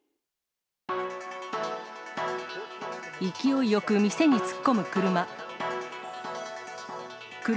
勢いよく店に突っ込む車。